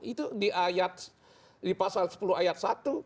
itu di ayat di pasal sepuluh ayat satu